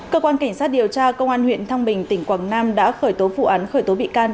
cơ quan cảnh sát điều tra công an huyện thăng bình tỉnh quảng nam đã khởi tố vụ án khởi tố bị can